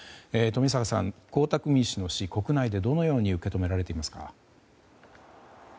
冨坂さん江沢民氏の死は国内でどのように受け止められていますか。